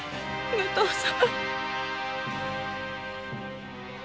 武藤様！